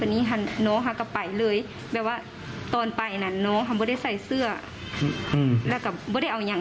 แต่ตอนที่ว่าไปหันทันท้ายบ้านนอกเพื่อนก็เห็น